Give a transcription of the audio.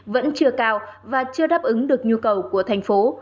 vẫn chưa cao và chưa đáp ứng được nhu cầu của thành phố